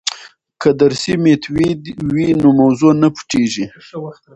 که درسي میتود وي نو موضوع نه پټیږي.